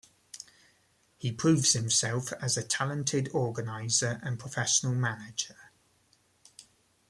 He proves himself as a talented organiser and professional manager.